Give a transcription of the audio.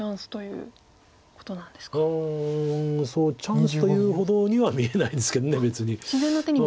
うんチャンスというほどには見えないんですけど別に。